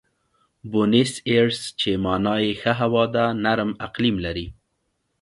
بونیس ایرس چې مانا یې ښه هوا ده، نرم اقلیم لري.